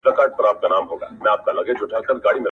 حقيقت پوښتنه کوي له انسانه,